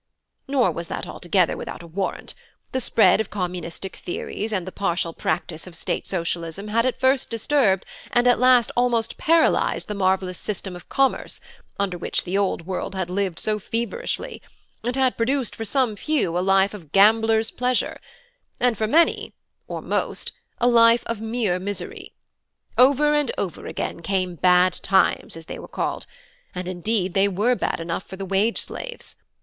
"Nor was that altogether without a warrant: the spread of communistic theories, and the partial practice of State Socialism had at first disturbed, and at last almost paralysed the marvellous system of commerce under which the old world had lived so feverishly, and had produced for some few a life of gambler's pleasure, and for many, or most, a life of mere misery: over and over again came 'bad times' as they were called, and indeed they were bad enough for the wage slaves.